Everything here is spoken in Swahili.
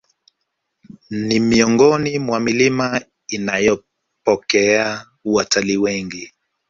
Ni miongoni mwa milima inayopokea watalii wengi